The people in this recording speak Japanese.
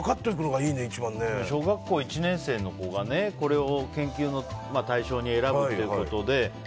小学校１年生の子がこれを研究の対象に選んだということで。